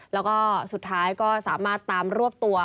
แล้วก็สุดท้ายก็สามารถตามรวบตัว